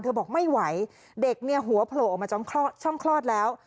บอกไม่ไหวเด็กเนี่ยหัวโผล่ออกมาจากช่องคลอดแล้ว